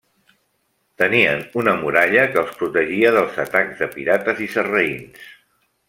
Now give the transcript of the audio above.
Tenien una muralla que els protegia dels atacs de pirates i sarraïns.